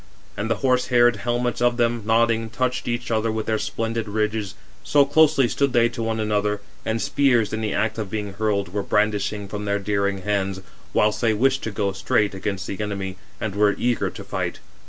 And the horse haired helmets of them, nodding, touched each other with their splendid ridges, 418 so closely stood they to one another; and spears in the act of being hurled, were brandishing from their daring hands, whilst they wished [to go] straight [against the enemy], and were eager to fight.